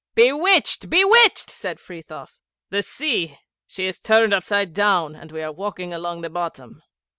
'Bewitched! Bewitched!' said Frithiof. 'The sea she is turned upside down, and we are walking along the bottom.'